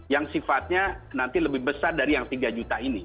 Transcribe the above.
yang sifatnya nanti lebih besar dari yang tiga juta ini